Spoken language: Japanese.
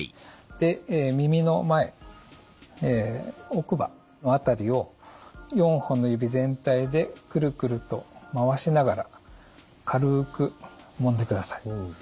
で耳の前奥歯のあたりを４本の指全体でクルクルと回しながら軽くもんでください。